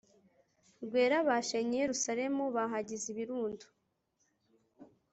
rwera Bashenye i Yerusalemu bahagize ibirundo